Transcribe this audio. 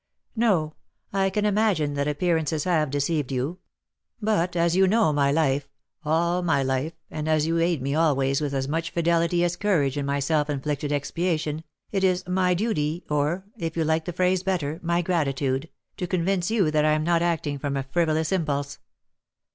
"No, I can imagine that appearances have deceived you; but, as you know my life all my life, and as you aid me always with as much fidelity as courage in my self inflicted expiation, it is my duty, or, if you like the phrase better, my gratitude, to convince you that I am not acting from a frivolous impulse."